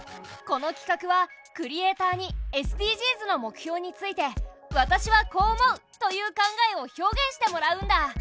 この企画はクリエーターにＳＤＧｓの目標について「私はこう思う！」という考えを表現してもらうんだ。